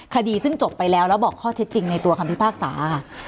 คดีซึ่งจบไปแล้วแล้วบอกข้อเท็จจริงในตัวคำพิพากษาค่ะ